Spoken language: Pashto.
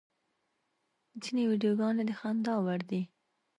ځینې ویډیوګانې د خندا وړ دي.